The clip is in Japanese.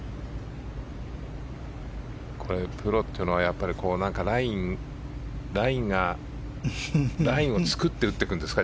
プロというのはラインを作って打っていくんですか？